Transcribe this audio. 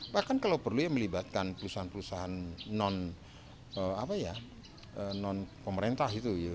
bahkan kalau perlu melibatkan perusahaan perusahaan non pemerintah itu